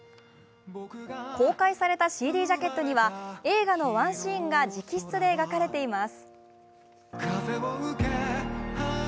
公開されたＣＤジャケットには映画のワンシーンが直筆で描かれています。